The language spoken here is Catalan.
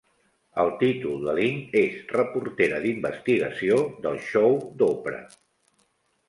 El títol de Ling és Reportera d'investigació del show d'Oprah.